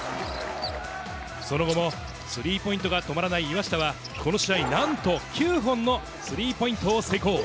その後もスリーポイントが止まらない岩下はこの試合、なんと９本のスリーポイントを成功。